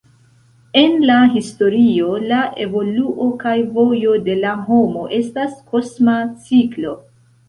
En la historio la evoluo kaj vojo de la homo estas kosma ciklo.